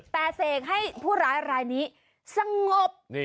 แต่เสกให้ผู้ร้ายรายนี้สงบ